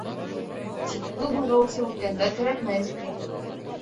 Тик ҡул болғаусы үткәндәр кәрәкмәй.